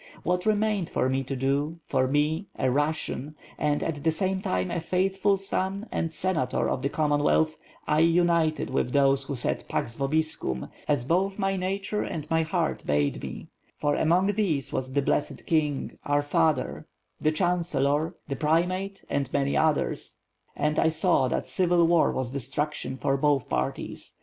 What remained for me to do, for me, a Russian, and at the same time a faithful son and senator of the Com monwealth, I united with those who said "Pax Vobiscum," as both my nature and my heart bade me; for among these was the blessed king, our father, the chancellor, the primate, and many others; and I saw that civil war was destruction for both parties.